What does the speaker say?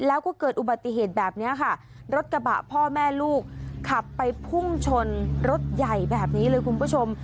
แล้วก็เกิดอุบัติเหตุแบบนี้ค่ะรถกระบะพ่อแม่ลูกขับไปพุ่งชนรถใหญ่แบบนี้เลยคุณผู้ชม